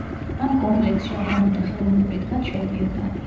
ამ კომპლექსში აბანო და ხელოვნური ტბაც შედიოდა.